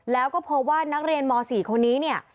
แล้วก็พบว่านักเรียนม๔คนนี้เนี่ย